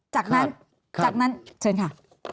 จากนั้นจากนั้นเชิญค่ะ